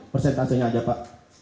presentasenya aja pak